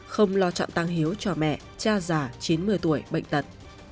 không lo trọng tăng hiếu cho mẹ cha già chín mươi tuổi bệnh tật